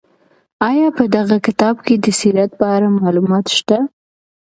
آیا په دغه کتاب کې د سیرت په اړه معلومات شته؟